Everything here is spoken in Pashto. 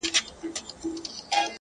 يا الله تې راته ژوندۍ ولره _